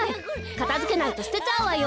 かたづけないとすてちゃうわよ。